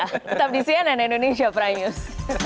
tetap di cnn indonesia prime news